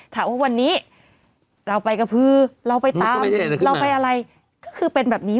ถามว่าวันนี้